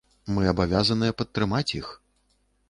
Мы абавязаныя падтрымаць іх.